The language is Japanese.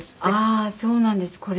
ああそうなんです。